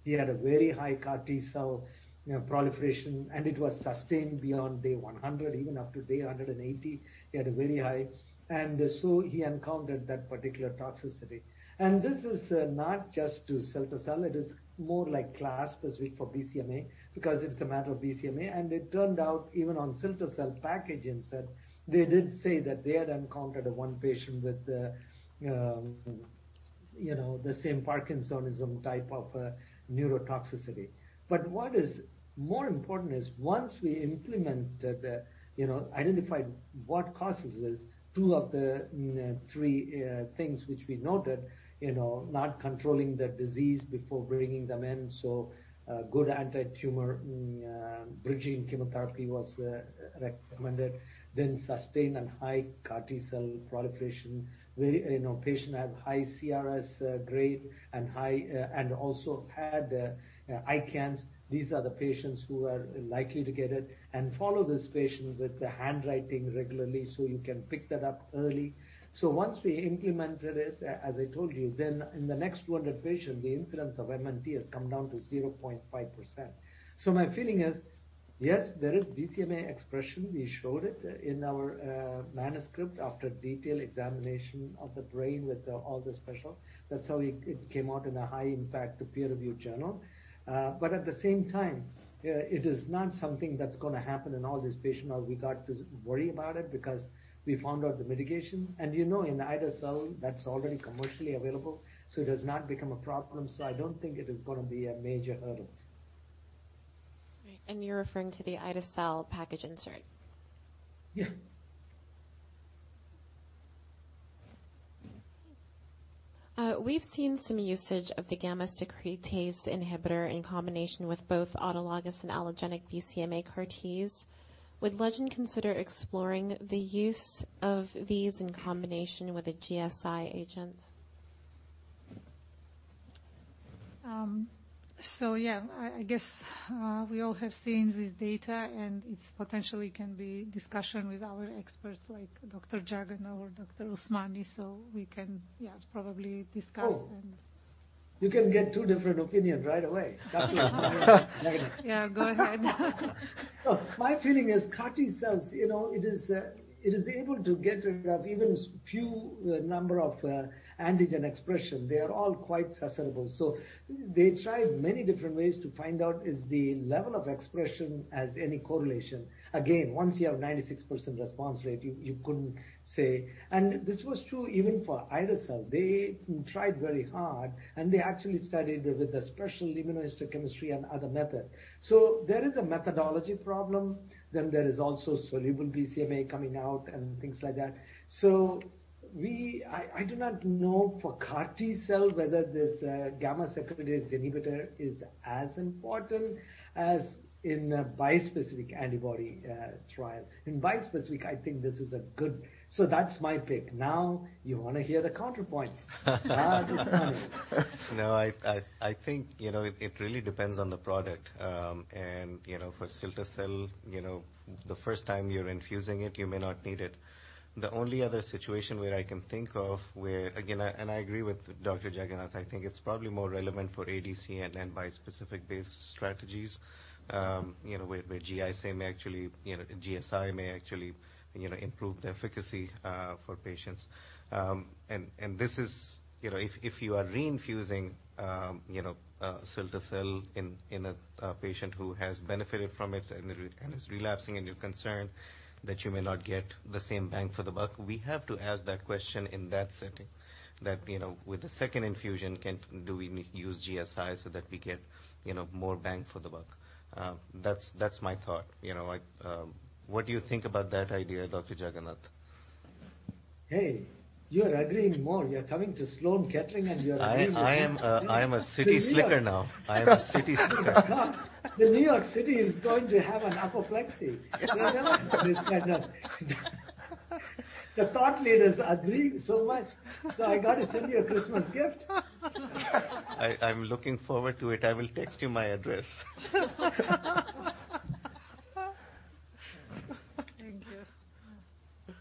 He had a very high CAR T-cell, you know, proliferation, and it was sustained beyond day 100, even up to day 180. He encountered that particular toxicity. This is not just to cilta-cel. It is more like class specific for BCMA because it's a matter of BCMA. It turned out, even on cilta-cel package insert, they did say that they had encountered one patient with the, you know, the same parkinsonism type of neurotoxicity. What is more important is once we implement the, you know, identified what causes this, two of the three things which we noted, you know, not controlling the disease before bringing them in, so good anti-tumor bridging chemotherapy was recommended. Sustained and high CAR T-cell proliferation, very. You know, patient had high CRS grade and high and also had ICANS. These are the patients who are likely to get it. Follow this patient with the handwriting regularly, so you can pick that up early. Once we implemented it, as I told you, then in the next 200 patients, the incidence of MNT has come down to 0.5%. My feeling is, yes, there is BCMA expression. We showed it in our manuscript after detailed examination of the brain with all the special. That's how it came out in a high-impact peer-reviewed journal. But at the same time, it is not something that's gonna happen in all these patients or we got to worry about it because we found out the mitigation. You know, in the ide-cel, that's already commercially available, so it does not become a problem. I don't think it is gonna be a major hurdle. Right. You're referring to the ide-cel package insert? Yeah. We've seen some usage of the gamma secretase inhibitor in combination with both autologous and allogeneic BCMA CAR Ts. Would Legend consider exploring the use of these in combination with the GSI agents? I guess we all have seen this data, and it's potentially can be discussion with our experts like Dr. Jagannath or Dr. Usmani. We can probably discuss and- Oh, you can get two different opinions right away. Yeah. Go ahead. My feeling is CAR T cells, you know, it is able to get rid of even few number of antigen expression. They are all quite susceptible. They tried many different ways to find out, is the level of expression as any correlation. Again, once you have 96% response rate, you couldn't say. This was true even for ide-cel. They tried very hard, and they actually studied with the special immunohistochemistry and other method. There is a methodology problem. There is also soluble BCMA coming out and things like that. I do not know for CAR T cells whether this gamma secretase inhibitor is as important as in a bispecific antibody trial. In bispecific, I think this is a good. That's my pick. Now, you wanna hear the counterpoint. No, I think, you know, it really depends on the product. For cilta-cel, you know, the first time you're infusing it, you may not need it. The only other situation where I can think of where. Again, I agree with Dr. Jagannath. I think it's probably more relevant for ADC and bispecific-based strategies, you know, where GSI may actually improve the efficacy for patients. This is. You know, if you are reinfusing cilta-cel in a patient who has benefited from it and is relapsing, and you're concerned that you may not get the same bang for the buck, we have to ask that question in that setting. That, you know, with the second infusion do we use GSI so that we get, you know, more bang for the buck? That's my thought. You know, like, what do you think about that idea, Dr. Jagannath? Hey, you are agreeing more. You are coming to Sloan Kettering, and you are agreeing with me. I am a city slicker now. I am a city slicker. The New York City is going to have an apoplexy. The thought leaders are agreeing so much. I got to send you a Christmas gift. I'm looking forward to it. I will text you my address. Thank you.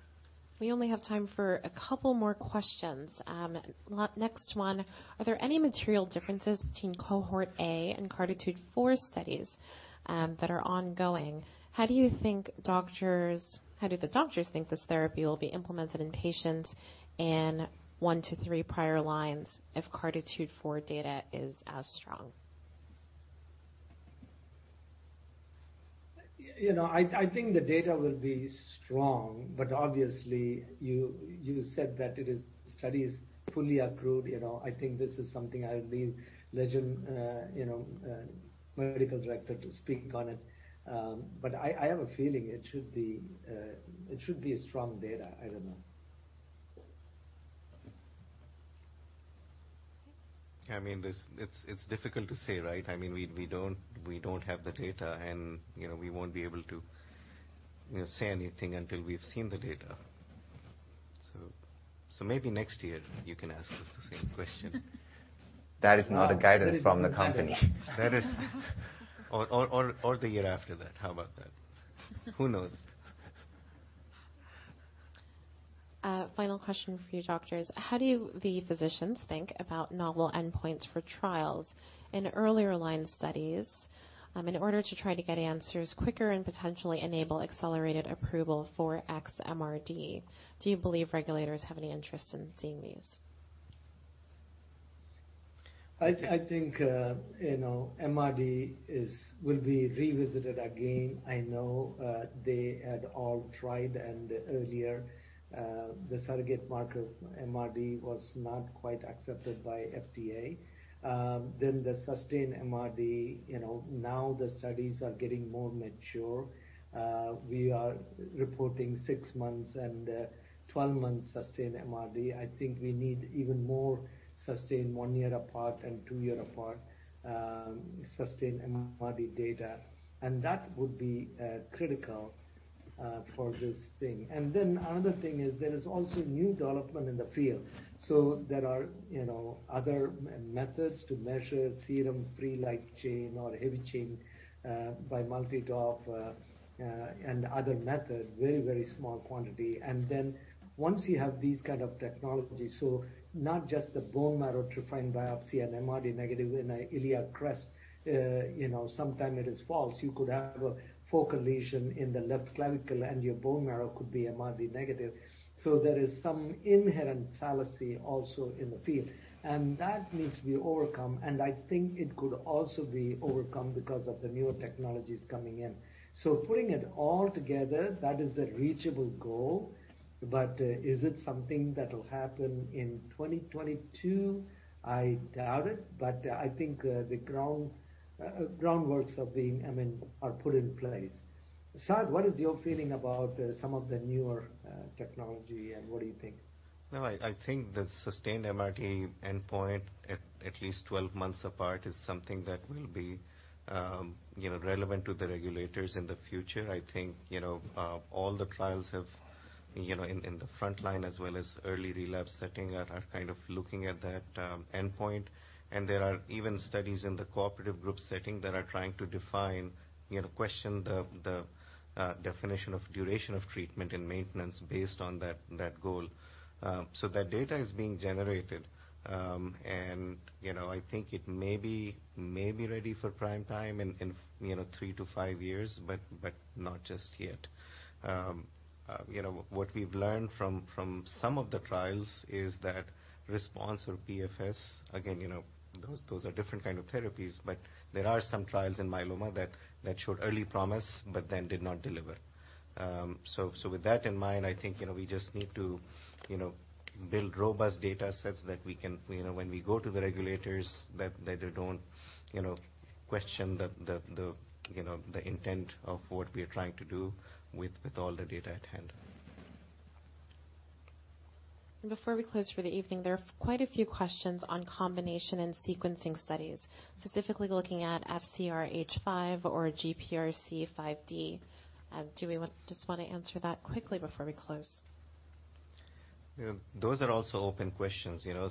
We only have time for a couple more questions. Next one, are there any material differences between cohort A and CARTITUDE-4 studies that are ongoing? How do the doctors think this therapy will be implemented in patients in 1-3 prior lines if CARTITUDE-4 data is as strong? You know, I think the data will be strong, but obviously you said that it is studies fully approved. You know, I think this is something I'll leave to Legend medical director to speak on it. But I have a feeling it should be strong data. I don't know. I mean, this. It's difficult to say, right? I mean, we don't have the data, and, you know, we won't be able to, you know, say anything until we've seen the data. So maybe next year you can ask us the same question. That is not a guidance from the company. That is- the year after that. How about that? Who knows? Final question for you doctors. How do you, the physicians, think about novel endpoints for trials in earlier line studies, in order to try to get answers quicker and potentially enable accelerated approval for MRD? Do you believe regulators have any interest in seeing these? I think you know MRD will be revisited again. I know they had all tried, and earlier the surrogate marker MRD was not quite accepted by FDA. Then the sustained MRD you know now the studies are getting more mature. We are reporting six months and 12 months sustained MRD. I think we need even more sustained one year apart and two year apart sustained MRD data, and that would be critical for this thing. Another thing is there is also new development in the field. There are you know other methods to measure serum free light chain or heavy chain by mass spectrometry and other method, very very small quantity. Once you have these kind of technologies, not just the bone marrow trephine biopsy and MRD negative in the iliac crest, you know, sometimes it is false. You could have a focal lesion in the left clavicle, and your bone marrow could be MRD negative. There is some inherent fallacy also in the field. That needs to be overcome, and I think it could also be overcome because of the newer technologies coming in. Putting it all together, that is a reachable goal, but is it something that will happen in 2022? I doubt it, but I think the groundwork is being, I mean, put in place. Saad, what is your feeling about some of the newer technology and what do you think? No, I think the sustained MRD endpoint at least 12 months apart is something that will be relevant to the regulators in the future. I think all the trials in the front line as well as early relapse setting are kind of looking at that endpoint. There are even studies in the cooperative group setting that are trying to question the definition of duration of treatment and maintenance based on that goal. That data is being generated. I think it may be ready for prime time in 3-5 years, but not just yet. You know, what we've learned from some of the trials is that response or PFS, again, you know, those are different kind of therapies, but there are some trials in myeloma that showed early promise but then did not deliver. With that in mind, I think, you know, we just need to, you know, build robust data sets so that we can, you know, when we go to the regulators that they don't, you know, question the intent of what we are trying to do with all the data at hand. Before we close for the evening, there are quite a few questions on combination and sequencing studies, specifically looking at FcRH5 or GPRC5D. Just wanna answer that quickly before we close? Yeah. Those are also open questions, you know.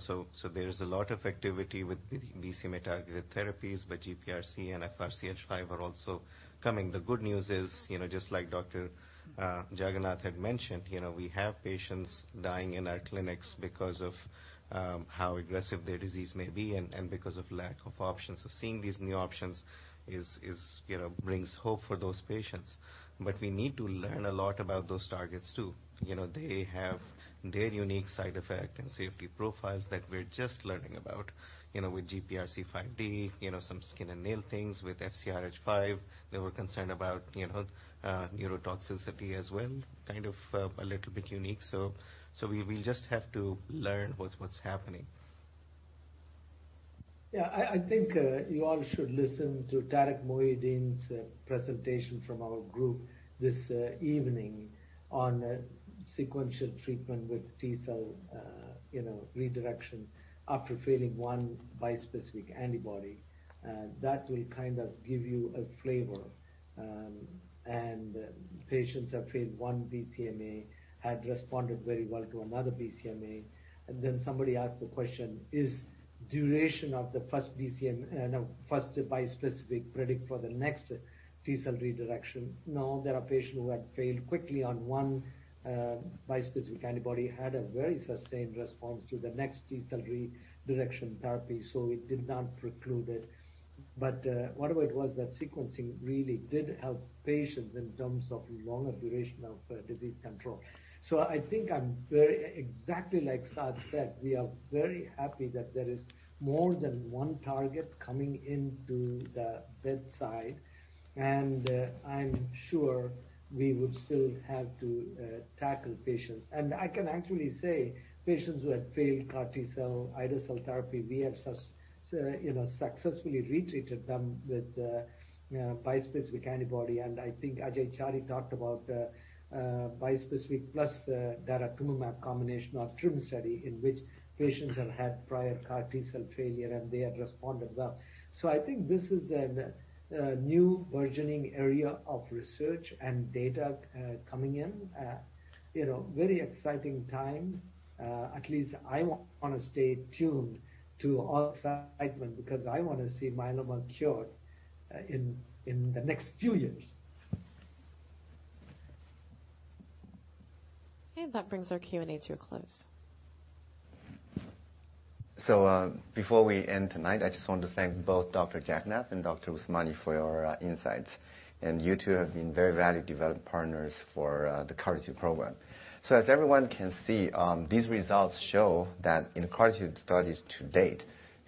There is a lot of activity with BCMA target therapies, but GPRC5D and FcRH5 are also coming. The good news is, you know, just like Dr. Jagannath had mentioned, you know, we have patients dying in our clinics because of how aggressive their disease may be and because of lack of options. Seeing these new options is, you know, brings hope for those patients. We need to learn a lot about those targets too. You know, they have their unique side effect and safety profiles that we're just learning about. You know, with GPRC5D, you know, some skin and nail things. With FcRH5, they were concerned about, you know, neurotoxicity as well, kind of a little bit unique. We, we'll just have to learn what's happening. Yeah. I think you all should listen to Tarek Mouhieddine's presentation from our group this evening on sequential treatment with T-cell you know redirection after failing one bispecific antibody. That will kind of give you a flavor. Patients have failed one BCMA, had responded very well to another BCMA. Somebody asked the question, is duration of the first bispecific predict for the next T-cell redirection? No. There are patients who had failed quickly on one bispecific antibody, had a very sustained response to the next T-cell redirection therapy, so it did not preclude it. Whatever it was, that sequencing really did help patients in terms of longer duration of disease control. I think I'm very... Exactly like Saad said, we are very happy that there is more than one target coming into the bedside. I'm sure we would still have to tackle patients. I can actually say patients who had failed CAR T-cell, ide-cel therapy, we have, you know, successfully retreated them with a bispecific antibody. I think Ajai Chari talked about the bispecific plus the daratumumab combination or TRIMM-2 study in which patients have had prior CAR T-cell failure, and they have responded well. I think this is a new burgeoning area of research and data coming in. You know, very exciting time. At least I wanna stay tuned to all the excitement because I wanna see myeloma cured in the next few years. Okay. That brings our Q&A to a close. Before we end tonight, I just want to thank both Dr. Jagannath and Dr. Usmani for your insights. You two have been very valued development partners for the CAR-T program. As everyone can see, these results show that in CAR-T studies to date,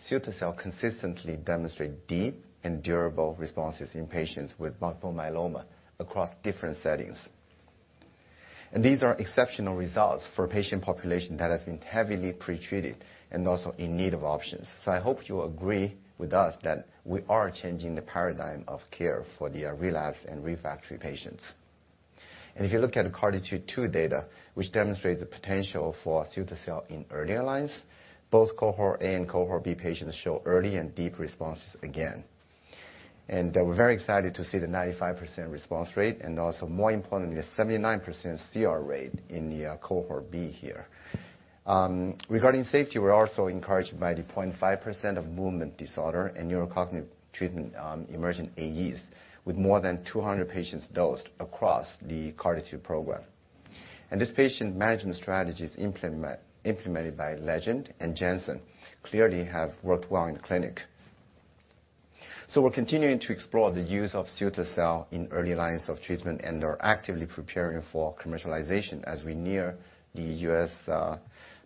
cilta-cel consistently demonstrate deep and durable responses in patients with multiple myeloma across different settings. These are exceptional results for a patient population that has been heavily pretreated and also in need of options. I hope you agree with us that we are changing the paradigm of care for the relapsed and refractory patients. If you look at the CAR-T data, which demonstrates the potential for cilta-cel in earlier lines, both cohort A and cohort B patients show early and deep responses again. We're very excited to see the 95% response rate and also more importantly, a 79% CR rate in the cohort B here. Regarding safety, we're also encouraged by the 0.5% of movement disorder and neurocognitive treatment-emergent AEs, with more than 200 patients dosed across the CARTITUDE program. This patient management strategy is implemented by Legend and Janssen clearly have worked well in the clinic. We're continuing to explore the use of cilta-cel in early lines of treatment and are actively preparing for commercialization as we near the U.S.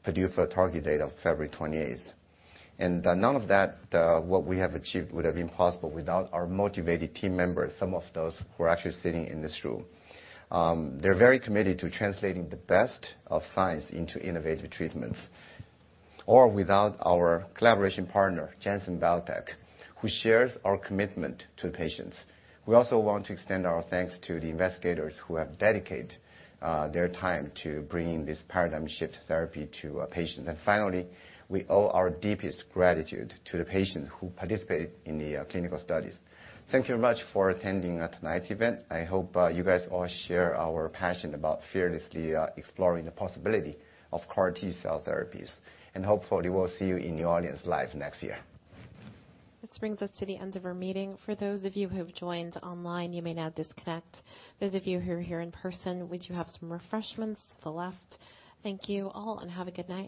PDUFA target date of February 28. None of that, what we have achieved, would have been possible without our motivated team members, some of those who are actually sitting in this room. They're very committed to translating the best of science into innovative treatments. Without our collaboration partner, Janssen Biotech, who shares our commitment to patients. We also want to extend our thanks to the investigators who have dedicated their time to bringing this paradigm shift therapy to a patient. Finally, we owe our deepest gratitude to the patients who participated in the clinical studies. Thank you very much for attending tonight's event. I hope you guys all share our passion about fearlessly exploring the possibility of CAR T-cell therapies. Hopefully we'll see you in New Orleans live next year. This brings us to the end of our meeting. For those of you who have joined online, you may now disconnect. Those of you who are here in person, we do have some refreshments to the left. Thank you all, and have a good night.